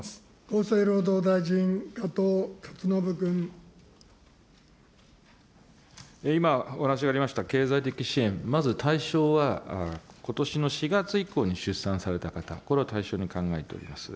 厚生労働大臣、今、お話がありました経済的支援、まず対象はことしの４月以降に出産された方、これを対象に考えております。